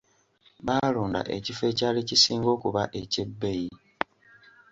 Baalonda ekifo ekyali kisinga okuba eky'ebbeyi.